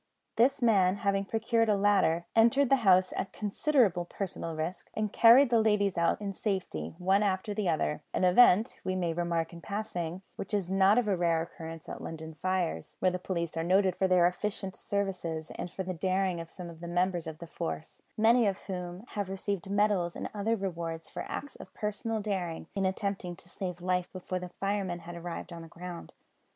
This man, having procured a ladder, entered the house at considerable personal risk, and carried the ladies out in safety, one after the other; an event, we may remark in passing, which is not of rare occurrence at London fires, where the police are noted for their efficient services and for the daring of some of the members of the force, many of whom have received medals and other rewards for acts of personal daring in attempting to save life before the firemen had arrived on the ground.